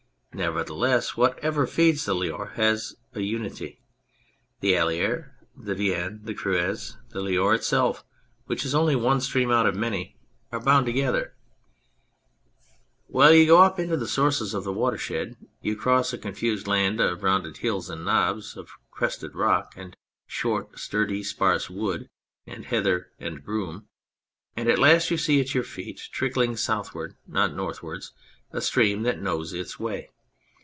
Nevertheless, what ever feeds the Loire has a unity. The Allier, the Vienne, the Creuse, the Loire itself (which is only one stream out of many) are bound together. 78 On the Air of the Dordogne Well, you go up into the sources of the watershed, you cross a confused land of rounded hills and knobs of crested rock and short, sturdy, sparse wood and heather and broom, and at last you see at your feet, trickling southward, not northwards, a stream that knows its way.